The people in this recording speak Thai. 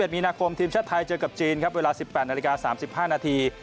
มีนาคมทีมชาติไทยเจอกับจีนครับเวลา๑๘นาฬิกา๓๕นาที